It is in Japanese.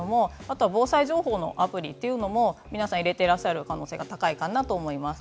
防災情報のアプリを入れている可能性が高いかなと思います。